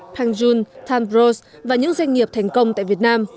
pang joon tom rose và những doanh nghiệp thành công tại việt nam